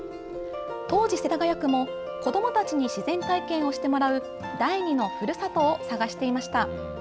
当時、世田谷区も子どもたちに自然体験をしてもらう第二のふるさとを探していました。